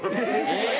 ・え！？